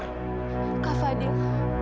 aku bukan fadil